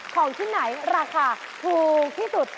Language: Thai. ของที่ไหนราคาถูกที่สุด